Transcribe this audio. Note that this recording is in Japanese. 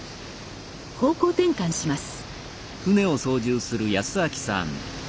方向転換します。